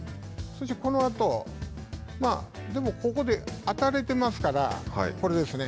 そして、このあとでも、ここで当たれていますからこれですね。